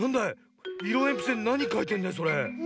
いろえんぴつでなにかいてんだいそれ？